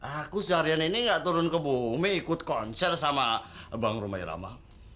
aku seharian ini gak turun ke bumi ikut konser sama bang rumai rama